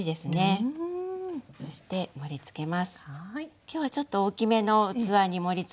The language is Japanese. きょうはちょっと大きめの器に盛りつけています。